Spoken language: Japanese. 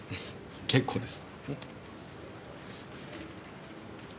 結構です。